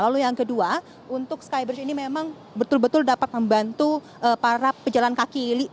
lalu yang kedua untuk skybridge ini memang betul betul dapat membantu para pejalan kaki